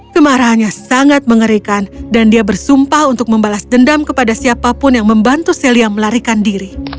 kemarahannya sangat mengerikan dan dia bersumpah untuk membalas dendam kepada siapapun yang membantu celia melarikan diri